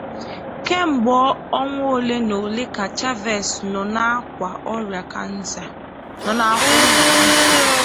Kemgbe ọnwa ole n’ole ka Chavez nọ n’akwa ọrịa kansa